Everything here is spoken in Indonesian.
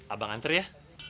abang antar ya